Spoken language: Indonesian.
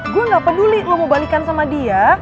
gue ga peduli lu mau balikan sama dia